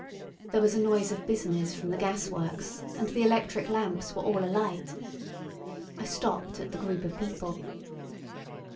There was a noise of business from the gasworks, and the electric lamps were all alight. I stopped at the group of people.